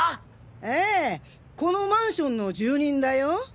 ええこのマンションの住人だよ。